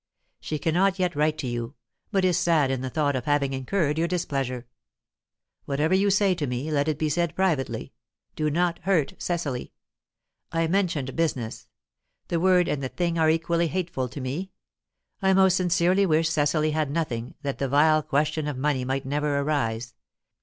She cannot yet write to you, but is sad in the thought of having incurred your displeasure. Whatever you say to me, let it be said privately; do not hurt Cecily. I mentioned 'business; the word and the thing are equally hateful to me. I most sincerely wish Cecily had nothing, that the vile question of money might never arise.